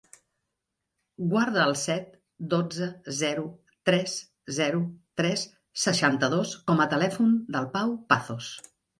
Guarda el set, dotze, zero, tres, zero, tres, seixanta-dos com a telèfon del Pau Pazos.